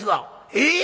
「え？